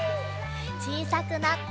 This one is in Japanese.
ちいさくなって。